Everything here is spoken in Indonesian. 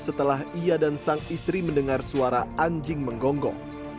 setelah ia dan sang istri mendengar suara anjing menggonggong